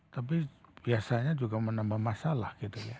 tapi biasanya juga menambah masalah gitu ya